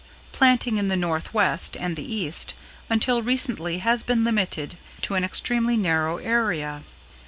Planting in the Northwest and the East until recently has been limited to an extremely narrow area.